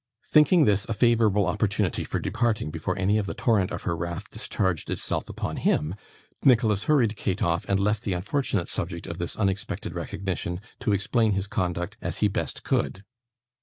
Thinking this a favourable opportunity for departing before any of the torrent of her wrath discharged itself upon him, Nicholas hurried Kate off, and left the unfortunate subject of this unexpected recognition to explain his conduct as he best could.